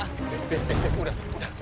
fit fit fit udah